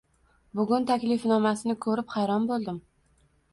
Bugun Taklifnomasini ko`rib hayron bo`ldim